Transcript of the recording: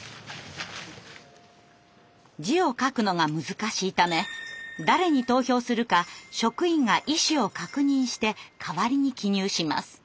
字を書くのが難しいため誰に投票するか職員が意思を確認して代わりに記入します。